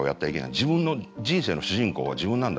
自分の人生の主人公は自分なんだ。